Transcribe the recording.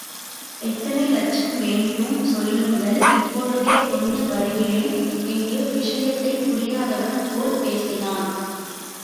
எத்தனை இலட்சம் வேண்டும் சொல்லுங்கள் இப்பொழுதே கொண்டு வருகிறேன் என்று விஷயத்தைப் புரியாதவன் போல் பேசினான்.